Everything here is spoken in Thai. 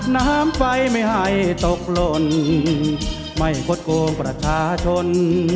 น้ำไฟไม่ให้ตกหล่นไม่คดโกงประชาชน